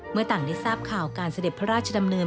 ต่างได้ทราบข่าวการเสด็จพระราชดำเนิน